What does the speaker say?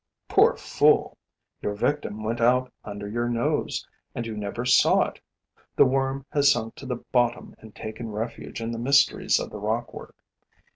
Poor fool! Your victim went out under your nose and you never saw it. The worm has sunk to the bottom and taken refuge in the mysteries of the rock work.